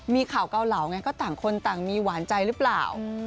มีข่าวเกาเหลาไงก็ต่างคนต่างมีหวานใจหรือเปล่า